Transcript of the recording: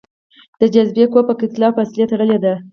د جاذبې قوه په کتله او فاصلې تړلې ده.